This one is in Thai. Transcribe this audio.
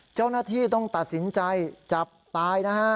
เจ้าหน้าที่ต้องตัดสินใจจับตายนะฮะ